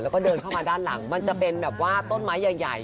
แล้วก็เดินเข้ามาด้านหลังมันจะเป็นแบบว่าต้นไม้ใหญ่